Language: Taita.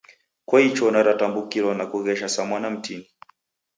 Koicho naratambukilwa na kughesha sa mwana mtini.